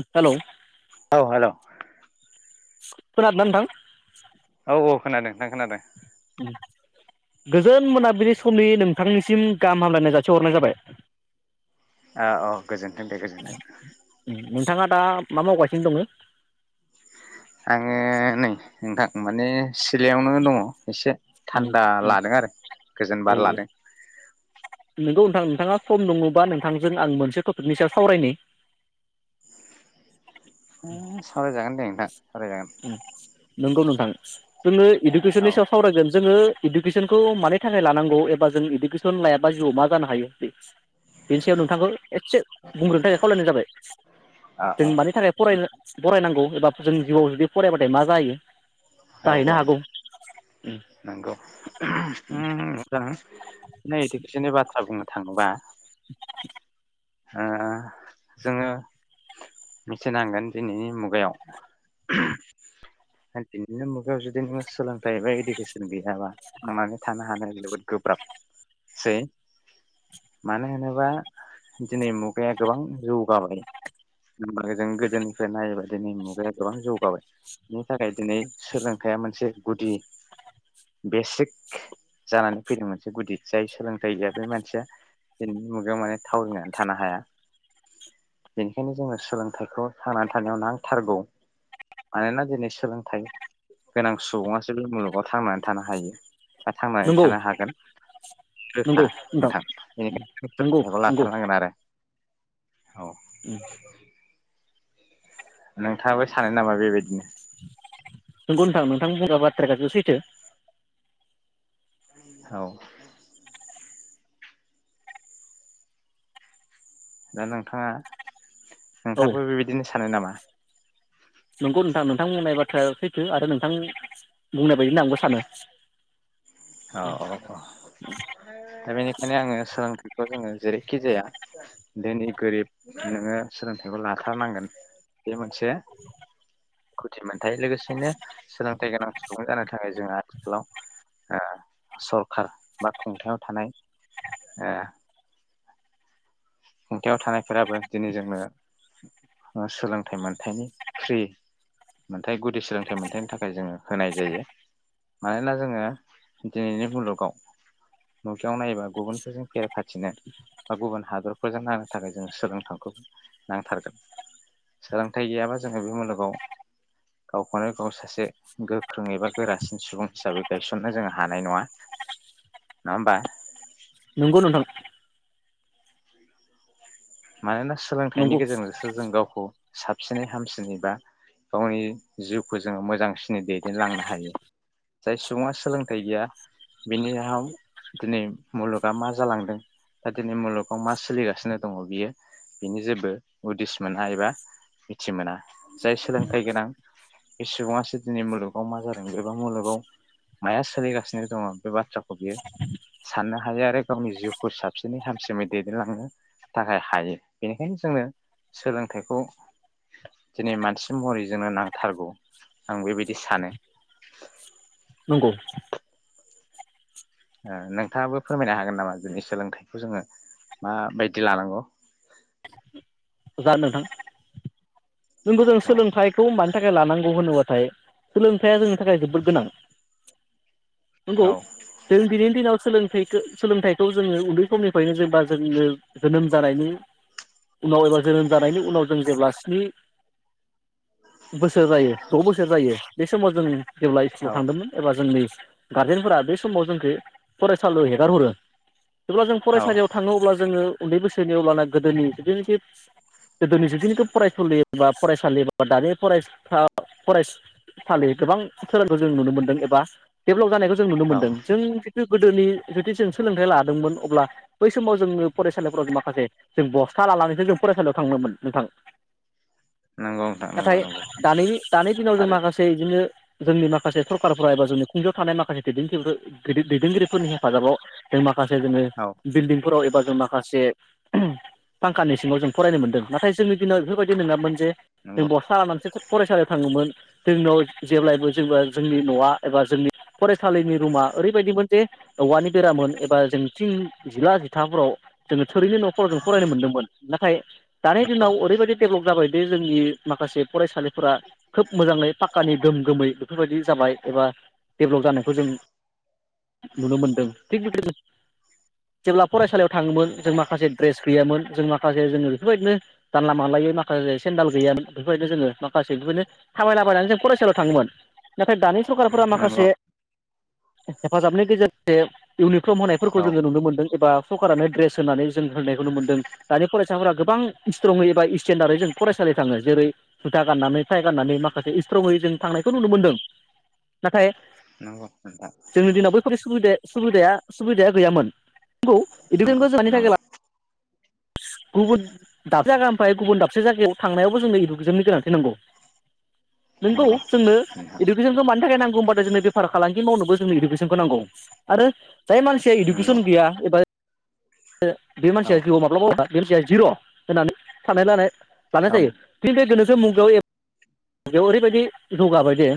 [inaudible] Hello. औ hello खोनादो ना नोंथां? औ औ खोनादों नोंथां खोनादों। गोजोन मोनाबिलि समनि नोंथांनिसिम गाहाम हामलायनाय जासिहरनाय जाबाय। औ औ गोजोनथों दे गोजोनथों। नोंथाङा दा मा मावगासिनो दङो। आङो नै नोंथां माने सिलायावनो दङ एसे। उम थान्दा उम लादों आरो गोजोन औ बार लादों। थाङा सम दंङोबा नोंथांजों आं मोनसे टपिकनि सायाव सावरायनि। दा सावराय जागोन दे नोंथां। सावरायजागोन उम नोंगौ नोंथां। जोंङो औ इडुकेसननि सायाव सावरायगोन जोङो इडुकेसनखौ मानि थाखाय लानांगौ एबा जों इडुकेसन लायाबा जिउआव मा जानो हायो बे। बेनि सायाव नोंथांखौ एदसे बुंग्रोनो थाखाय खावलायनाय जाबाय औ जों मानि थाखाय फराय बरायनांगौ। एबाफ जोंनि जिउआव जुदिफ फराय बाथाय या जाायो। औ औ नोंगौ उम जा नै इडुकेसननि बाथ्रा बुंनो थांबा [inaudible] ओ जोंङो मिथिनांगोन दिनैनि मुगायाव ओ दिनैनिनो मुगायाव जुदि नोंङो सोलोंथाइ एबा इडुकेसन गैयाबा थांनानै थानो हानाया जोबोद गोब्राब सै मानो होनोबा दिनै मुगाया गोबां जौगाबायब उमबो जों गोदोनिफ्राय नायोबा दिनै मुगाया गोबां जौगाबाय बिनि थाखाय दिनै सोलोंथाइया मोनसे गुदि बेसिक जानानै फैदों मोनसे गुदि जाय सोलोंथाइ गैया बे मानसिया दिनैनि मुगायाव माने थाविनानै थानो हाया बेनिखायनो जोङो सोलोंथाइखौ थांनानै थानायाव नांथारगौ मानोना दिनै सोंलों थाय गोनां सुबुंआसो बे मुलुगाव थांनानै थानो हायो। बा थांनानै नंगौ थानो हागोन गोखा नोंथां नंगौ बेनिखायनो खौ लाथारनांगोन आरो। औ उम नोंथाङाबो सानो नामा बेबायदिनो? नोंगौ नोंथां नोंथां बुंगा बाथ्राखासो सैथो। औ दा नोंथाङा औ नोंथाङाबो बेबायदिनो सानो नामा? नोंगौ नोंथां नोंथां बुंनाय बाथ्राया सैथो आरो नोंथां बुंनाय बायदिनो आंबो सानो। औ औ औ दा बेनिखायनो आङो सोलोंथा खौ जोङो जेरैखि जाया धोनि गोरिब नोङो सोलोंथाइखौ लाथारनांगोन बे मोनसे खुथिमोन। थाय लोगोसेनो सोलोंथाइ गोनां। [unintelligible] जानो थाखाय जोंहा आथिखालाव ओ सरखार बा खुंथायाव थानाय ओ खुंथायाव थानायफोराबो दिनै जोंनो सोलोंथाइ मोनथायनि फ्रि मोनथाय गुदि सोलोंथाइ मोनथायनि थाखाय जोङो होनाय जायो मानोना जोङो दिनैनि मुलुगाव नुथायाव नायोबा गुबुनफोरजों फेर फाथिनो बा गुबुन हादर फोरजों नांनो थाखाय जों सोलोंथाखौ नांथारगोन सोलोंथाइ गैयाबा जोङो बे मुलुगाव गावखौनो गाव सासे गोख्रों एबा गोरासिन सुबुं हिसाबै गायसननो जोङो हानाय नङा नङा होमबा? नोंगौ नोंथां। मानोना सोलोंथाइनि नंगौ गेजेरजोंसो जों गावखौ साबसिनै हामसिनै बा गावनि जिउखौ जोङो मोजांसिनै दैदेनलांनो हायो जाय सुबुङा सोलोंथाइ गैया बिनि आव दिनै मुलुगा मा जालांदों दा दिनै मुलुगाव मा सोलिगासिनो दङ बियो बिनि जेबो उदिस मोना एबा मिथि मोना जाय सोलोंथाइ गोनां बे सुबुङासो दिनै मुलुगाव मा जादों एबा मुलुगाव माया सोलिगासिनो दङ बे बाथ्राखौ बियो साननो हायो आरो गावनि जिउखौ साबसिनै हामसिनै दैदेनलांनो थाखाय हायो बेनिखायनो जोंनो सोलोंथाइखौ दिनै मानसि महरै जोंनो नांथारगौ आं बेबायदि सानो। नंगौ ओ नोंथाङाबो फोरमायनो हागोन नामा जोंनि सोलोंथाइखौ जोङो माबायदि लानांगौ? जार नोंथां। नोंगौ जों औ सोलोंथाइखौ मानि थाख जे लानांगौ होनोबाथाय सोलोंथाइया जोंनि थाखाय जोबोद गोनां। नोंगौ औ जों दिनैनि दिनाव सोलोंथाइखो-सोलोंथाइखौ जोङो उन्दै समनिफ्रायनो जेनेबा जोङो जोनोम जानायनि उनाव एबा जोनोम जानायनि उनाव जों जेब्ला स्नि [inaudible] बोसोर जायो द' बोसोर जायो बे समाव जों जेब्ला औ इस्कुलाव थांदोंमोन एबा जोंनि गारजेनफोरा बे समाव जोंखो फरायसालियाव हेगारहरो। जेब्ला जों औ फरायसालियाव थाङो अब्ला जोङो उन्दै बोसोनि अब्लाना गोदोनि जुदुनिखि गोदोनि जेथुनिखि फरायसलि एबा फरायसालि बा दानि फरायसाफ्रा फरायसालि गोबां सोलोंखौ जों नुनो मोनदों एबा डेभेलप जानायखौ जों नुनो औ मोनदों जों गोदोनि जुदि जों सोलोंथाइ लादोंमोन अब्ला बै समाव जोङो फरायसालिफोराव माखासे जों बस्था लानानैसो जों फरायसालियाव थांङोमोन नोंथां। नंगौ नोंथां नंगौ नाथाय नंगौ दानि दानि दिनाव जों थारैनो माखासे इदिनो जोंनि माखासे सरखारफोरा एबा जोंनि खुंगायाव थानाय माखासे दैदेनगिरिफोर-दैदेनगिरिफोरनि हेफाजाबाव जों माख फारसे जोङो औ बिल्डिं फोराव एबा जों माखासे फांखानि सिङाव जों फरायनो मोनदों नाथाय जोंनि दिनाव जोबोद दि नङामोन जे जों नंगौ बस्था लानानैसो सो फरायसालियाव थाङोमोन। जोंनाव जेब्लायबो जेबो जोंनि न'आ एबा जोंनि फरेस्ट सालिनि रुमा ओरैबायदिमोन जे औवानि बेरामोन एबा जों थिं जिला जिथाफोराव जोङो थोरिनि न'फोराव फरायनो मोनदोंमोन नाथाय दानि नंगौ दिनाव ओरैबायदि जाबाय दे जोंनि माखासे फरायसालिफोरा खोब मोजाङै पाक्कानि गोम गोम बेफोरबायदि जाबाय एबा डेभेलप जानायखौ जों नुनो मोनदों थिग बे जेब्ला फरायसालियाव थाङोमोन जों माखासे द्रेस गैयामोन जों माखासे जोङो बेफोरबायदिनो जानला मोनलायै माखासे सेन्दाल गैयामोन बेफोरबायदिया जोङो माखासे बेफोरनो थाबायलाबायनानै जों फरायसालियाव थाङोमोन। नाथाय दानि सरखारफोरा नंगौ माखासे हेफाजाबनि गेजेरजों इउनि फ्रम होनायफोरखौ औ जोङो नुनो मोनदों एबा सरकारानो ड्रेस होनानै जों होनायखौ नुनो मोन्दों दानि फरायसाफोरा गोबां स्ट्रंयै एबा इस्ट स्टेन्डारै जों फरायसालि थाङो जेरै जुथा गाननानै फाइ गाननानै माखासे इस्ट्रङै जों थांनायखौ नुनो मोनदों नाथाय नंगौ नोंथां जोंनि दिनाव बैफोर सुबिदाया सुबिदाया सुबिदाया गैयामोन। नंगौ नंगौ [unintelligible] गुबुन दाबसे जायगानिफ्राय गुबुन दाबसे जायगायाव थांनायावबो जोंनो इडुकेसननि गोनांथि नांगौ। नोंगौ नंगौ जोंनो नोंथां इडुकेसनखौ मानि थाखाय नांगौ होनबाथाय जोंनो बेफार फालांगि मावनोबो जों इडुकेसनखौ नांगौ आरो जाय मानसिया नंगौ इडुकेसन गैया एबा बे औ मानसिया जिउआव माब्लाबाबो औ [unintelligible] [unintelligible] मुगायाव एफ। बेयाव ओरैबायदि जौगाबाय दि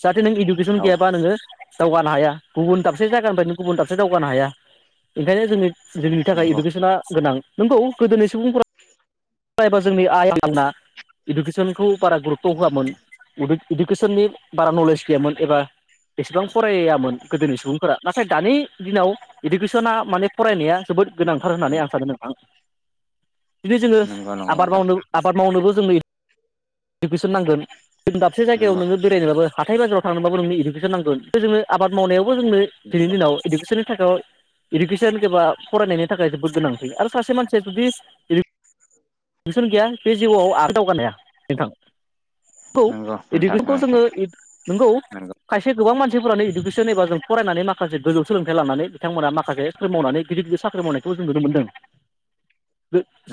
जाहाथे नों इडुकेसन औ गैयाबा नोङो दावगानो हाया गुबुन दाबसे जायगानिफ्रायनो गुबुन दाबसे दावगानो हाया ओंखायनो जोङो जोंनि थाखाय नंगौ इडुकेसना गोनां। नोंगौ गोदोनि सुबुंफोरा एबा जोंनि आइ आफामोना इडुकेसनखौ बारा गुरुथ्त' होआमोन। इडुकेसननि बारा नलेज गैयामोन एबा एसेबां फरायामोन गोदोनि सुबुंफोरा नाथाय दानि दिनाव इडुकेसना माने फरायनाया जोबोद गोनांथार होननानै आं सानो नोंथां। दिनै जोङो नंगौ आबाद नोंथां मावनो आबाद मावनोबो जोंनो इड इडुकेसन नांगोन जों दाबसे जायगायाव नंगौ नोङो बेरायनोबाबो हाथाय बाजाराव थांनोबाबो नोंनो इडुकेसन नांगोन बे जो आबाद मावनायाव खौ जोंनो दिनैनि नंगौ दिनाव इडुकेसन [unintelligible] सन एबा फरायनायनि थाखाय जोबोद गोनां। आरो सासे मानसिआ [unintelligible] नोंसन गैया बे जिउआव आरो दावगानाय हाया। नोंथां। नोंगौ नोंथां इडुकेसनखौ नोंथां जोङो नोंगौ नंगौ खायसे गोबां मानसिफोरानो इडुकेसन एबा जों फरायनानै माखासे गोजौ सोलोंथाइ लानानै बिथांमोना माखासे साख्रि मावनानै गिदिर गिदिर साख्रि मावनायखौ जों नुनो मोनदों।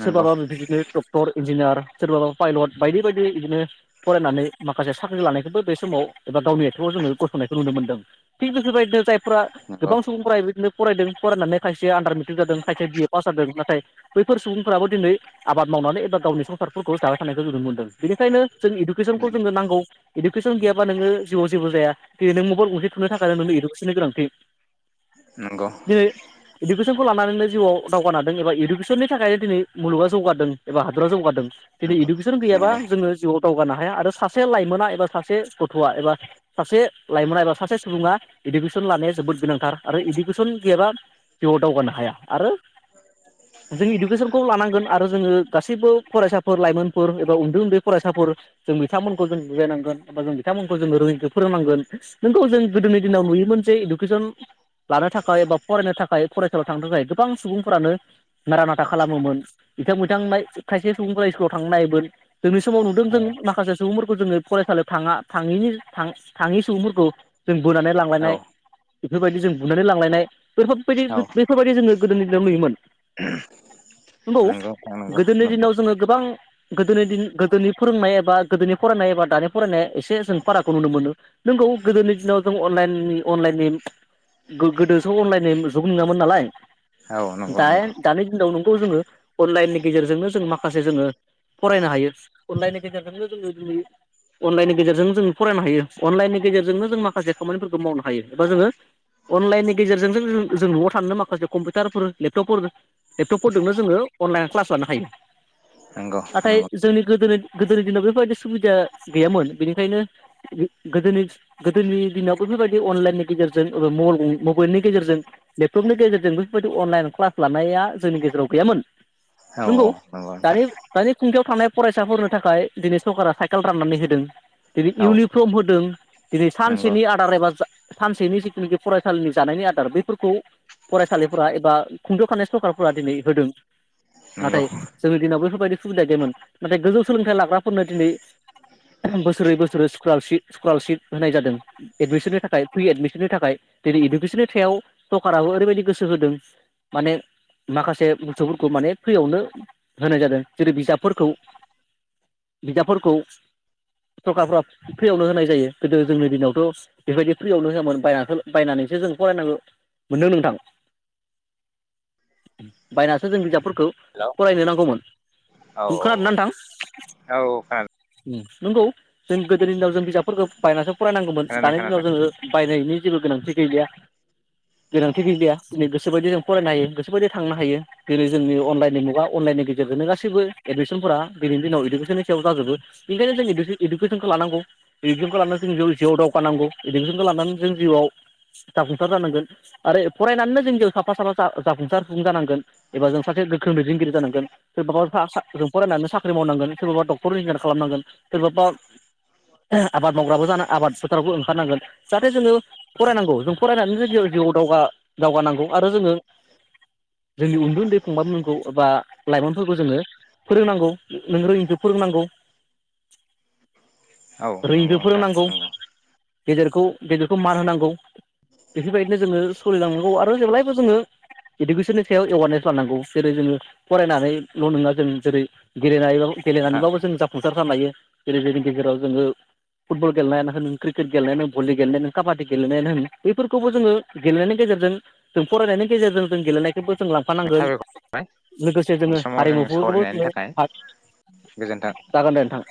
नंगौ डक्टर इन्जिनियार सोरबाबा पायलट बायदि बायदि बिदिनो फरायनानै माखासे साख्रि लानायखौबो बे समाव एबा गावनि आथिङाव जोङो गसंनायखौ नुनो मोनदों थिग बेफोरबायदिनो जायफोरा नंगौ गोबां सुबुंफोरा बेदिनो फरायदों फरायनानै खायसेया आन्दार मेट्रिक जादों खायसे बिए पास जादों नाथाय बैफोर सुबुंफ्राबो दिनै आबाद मावनानै एबा गावनि संसारफोरखौ जाबाय थानायखौ नुनो मोनदों बेनिखायनो जों इडुकेसनखौ जोंनो नांगौ इडुकेसन गैयाबा नोङो जिउआव जेबो जाया दिनै नों मबाइल गंसे थुनो थाखायनो नोंनो इडुकेसननि गोनांथि नंगौ दिनै इडुकेसनखौ लानानैनो जिउआव दावगानो हादों एबा इडुकेसननि थाखायनो दिनै मुलुगा जौगगादों एबा हादरा जौगादों दिनै नंगौ इडुकेसन गैयाबा नंगौ जोङो जिउआव दावगानो हाया आरो सासे लाइमोना एबा सासे गथ'आ एबा सासे लाइमोना एबा सासे सुबुङा इडुकेसन लानाया जोबोद गोनांथार आरो इडुकेसन गैयाबा जिउआव दावगानो हाया आरो जों इडुकेसनखौ लानांगोन आरो जोङो गासैबो फरायसाफोर लाइमोनफोर एबा उन्दै उन्दै फरायसाफोर जों बिथांमोनखौ जों बुजायनांगोन बा जों बिथांमोनखौ जों रोङिखो फोरोंनांगोन नोंगौ जों गोदोनि दिनाव नुयोमोन जे इडुकेसन लानो थाखाय बा फरायनो थाखाय फरायसालियाव थांनो थाखाय गोबां सुबुंफोरानो नारा नाथा खालामोमोन। बिथां बिथांमोना खायसे सुबुंफोरा स्कुलाव थांनो नायामोन जोंनि समाव नुदों जों माखासे सुबुंफोरखौ जोङो फरायसालियाव थाङा थाङैनि थाङै सुबुंफोरखौ जों बोनानै औ लांलायनाय बेफोरबायदि जों बुनानै लांलायनाय औ बेफोरबायदि बेफोरबायदि जोङो गोदोनि दिनाव नुयोमोन। [inaudible] नंगौ नंगौ गोदोनि नंगौ दिनाव जोङो गोबां गोदोनि दिन गोदोनि फोरोंनाय एबा गोदोनि फरायनाय एबा दानि फरायनाया एसे जों फारागखौ नुनो मोनो नोंगौ गोदोनि दिनाव जों अनलाइननि अनलाइननि गोदोसो अनलाइननि जुग नङामोन नालाय औ नंगौ दा नंगौ दानि दिनाव नों खौ जोङो अनलाइननि गेजेरजोंनो जों माखासे जोङो फरायनो हायो अनलाइननि गेजेरजोंनो जोङो दिनै अनलाइननि गेजेरजों जों फरायनो हायो अनलाइननि गेजेरजोंनो जों माखासे खामानिफोरखौ मावनो हायो एबा जोङो अनलाइननि गेजेरजोंनो ज जों न'आव थानोनो माखासे कम्पिउटारफोर लेपटपफोर लेपटपफोरजोंनो जोङो अनलाइन क्लास लानो हायो। नंगौ नाथाय नंगौ जोंनि गोदोनि गोदोनि दिनाव बेफोरबायदि सुबिदा गैयामोन बेनिखायनो गोदोनि गोदोनि दिनाव बेफोरबायदि अनलाइननि गेजेरजोंबा मबाइल मबाइलनि गेजेरजों लेपटपनि गेजेरजों बेफोरबायदि अनलाइन क्लास लानाया जोंनि गेजेराव गैयामोन। औ औ नोंगौ नंगौ दानि नोंथां दानि खुंथायाव थानाय फरायसाफोरनो थाखाय दिनै सरकारा साइकेल राननानै होदों दिनै औ इउनिफर्म होदों दिनै नंगौ सानसेनि आदार एबा सानसेनि जिथुनाखि फरायसालिनि जानायनि आदार बैफोरखौ फरायसालिफोरा एबा खुंथायाव थानाय सरखारफ्रा दिनै होदों नंगौ नाथाय जोंनि दिनाव बेफोरबायदि सुबिदा गैयामोन नाथाय गोजौ सोलोंथाइ लाग्राफोरनो दिनै बोसोरै बोसोरै स्कल स्कलारशिप होनाय जादों एडमिसननि थाखाय फ्रि एडमिसननि थाखाय दिनै इडुकेसननि सायाव सरकाराबो ओरैबायदि गोसो होदों माने माखासे बुस्थुफोरखौ माने फ्रियावनो होनाय जादों जेरै बिजाबफोरखौ बिजाबफोरखौ सरफ्रा फ्रियावनो होनाय जायो गोदो जोंनि दिनावथ बेबायदि फ्रियावनो होआमोन बाय बायनानैसो जों फरायनांगौ मोनदों नोंथां बायनासो जों बिजाबफोरखौ हेलौ फरायनो नांगौमोन औ खोनादों नोंथां? औ औ नंगौ जों गोदो हिनजाव जों बिजाबफोरखौ बायनाजोब फरायनांगौमोन खोनादों दानि दिनाव खोनादों जोङो बायनायनि जेबो गोनांथि गैलिया गोनांथि गैलिया दिनै गोसोबायदि जों फरायनो हायो गोसोबायदि थांनो हायो जेनै जोंनि अनलाइननि मुगा अनलाइननि गेजेरजोंनो गासैबो एडमिसनफोरा दिनैनि दिनाव इडुकेसननि सायाव जाजोबो बेनिखायनो जों इडुकेसनखौ लानांगौ इडुकेसनखौ लानानै जों जिउआव दावगानांगौ इडुकेसनखौ लानानै जों जिउआव जाफुंसार जानांगो आरो फरायनानैनो जों जिउ साफा साफा जा जाफुंसारफुं जानांगोन एबा जों सासे गोख्रों दैदेनगिरि जानांगोन सोरबाबा सा सा फरायनानै साख्रि मावनांगोन सोरबाबा डक्टर इन्जिनियार खालामनांगोन सोरबाबा आबाद मावग्राबो जानानै आबाद फोथारावबो ओंखारनांगोन जाहाथे जोङो फरायनांगौ जों फरायनानै ज जिउआव दावगा दावगानांगौ आरो जोङो जोंनि उ न्दै उन्दै फंबाय मोनखौन एबा लाइमोनफोरखौ जोङो फोरोंनांगौ नों रोङिखौ फोरोंनांगौ औ नंगौ रोङिखौ नोंथां फोरोंनांगौ नंगौ गेदेरखौ गेदेरखौ मान होनांगौ बेफोरबायदिनो जोङो सलिलांनांगौ आरो जेब्लायबो जोङो इडुकेसननि सायाव एवारनेस खालामनांगौ जेरै जोङो फरायनानैल नङा जों जेरै गेलेनानैबाबो नोंथां गेलेनानैबाबो जों जाफुंसार जानो हायो जेरै जोंनि गेजेराव जोङो फुटबल गेलेनायानो होन क्रिकेट गेलेनायानो भलि गेलेनाय नों काबादि गेलेनायानो होन बफोरखौबो जोङो गेलेनायनि गेजेरजों जों फरायनायनि गेजेरजों जों गेलेनायखौबो जोङो थाफानांगोन साबायखर लोगोसे बे जोङो समाव जों हारिमुफोरखौबो सावरायनायनि थाखाय गोजोन्थों [inaudible] जागोन दे नोंथां